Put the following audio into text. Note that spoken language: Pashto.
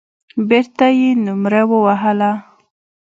بېرته يې نومره ووهله.